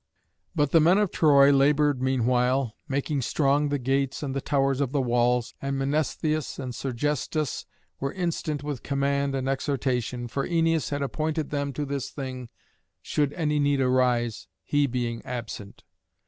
But the men of Troy laboured meanwhile, making strong the gates and the towers of the walls. And Mnestheus and Sergestus were instant with command and exhortation, for Æneas had appointed them to this thing should any need arise, he being absent.